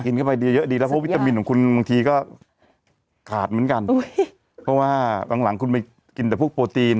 เข้าไปดีเยอะดีแล้วเพราะวิตามินของคุณบางทีก็ขาดเหมือนกันเพราะว่าบางหลังคุณไปกินแต่พวกโปรตีน